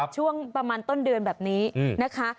ช่วงประมาณต้นเดือนแบบนี้นะคะ